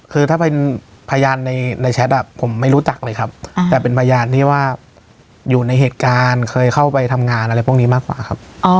คือถ้าเป็นพยานในแชทผมไม่รู้จักเลยครับแต่เป็นพยานที่ว่าอยู่ในเหตุการณ์เคยเข้าไปทำงานอะไรพวกนี้มากกว่าครับ